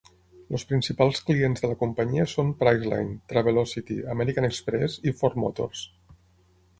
Els principals clients de la companyia són Priceline, Travelocity, American Express i Ford Motors.